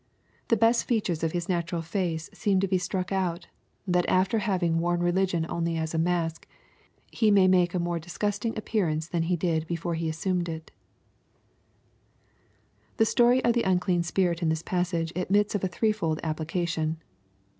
The best features of his natural face seem to be struck out, that after having worn religion only as a mask, he may make a more disgusting ap pearance than he did before he assumed it" The story of the unclean spirit in this passage admits of a threefold application.